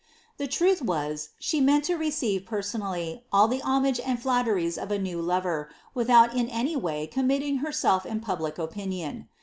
Tbe truth was, she meant lo receive persoiiallv, all tl and flatteries of a new lover, without in any way committing pubhc upiniou.